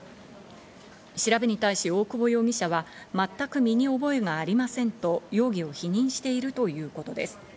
調べに対し大久保容疑者は、全く身に覚えがありませんと容疑を否認しているということです。